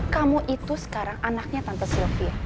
kamu itu sekarang anaknya tante sylvia